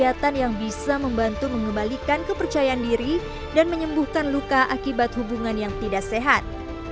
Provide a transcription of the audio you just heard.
kesehatan yang bisa membantu mengembalikan kepercayaan diri dan menyembuhkan luka akibat hubungan yang tidak sehat